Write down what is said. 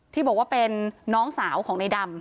ที่บอกว่าเป็นน้องสาวของในดำ